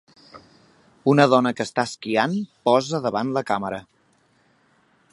Una dona que està esquiant posa davant la càmera.